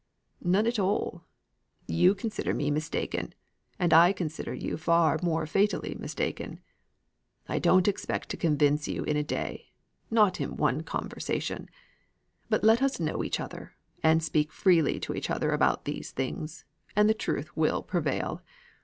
"None at all. You consider me mistaken, and I consider you far more fatally mistaken. I don't expect to convince you in a day, not in one conversation; but let us know each other, and speak freely to each other about these things, and the truth will prevail.